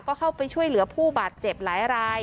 ก็เข้าไปช่วยเหลือผู้บาดเจ็บหลายราย